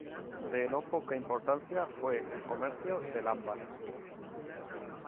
De no poca importancia fue el comercio del ámbar.